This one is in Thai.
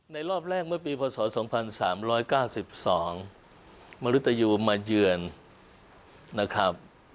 รอบแรกเมื่อปีพศ๒๓๙๒มริตยูมาเยือนนะครับ